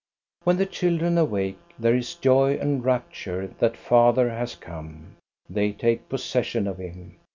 When the children awake, there is joy and rapture that father has come. They take possession of him.